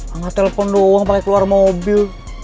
angkat telepon doang pake keluar mobil